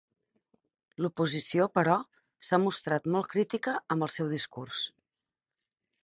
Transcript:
L'oposició, però, s'ha mostrat molt crítica amb el seu discurs.